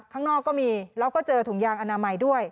ข้างนอกก็มีแล้วก็เจอถุงยางอนามัยด้วย